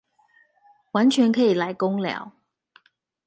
完全可以來工寮